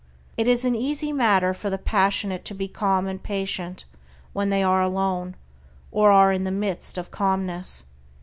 It is an easy matter for the passionate to be calm and patient when they are alone, or are in the midst of calmness.